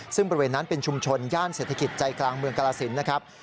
ซึ่งบริเวณนั้นเป็นชุมชนย่านเศรษฐกิจใจกลางเมืองกรสินนะครับ